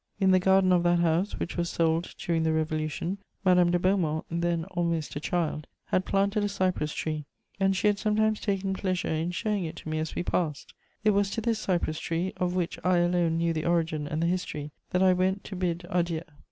In the garden of that house, which was sold during the Revolution, Madame de Beaumont, then almost a child, had planted a cypress tree, and she had sometimes taken pleasure in showing it to me as we passed: it was to this cypress tree, of which I alone knew the origin and the history, that I went to bid adieu.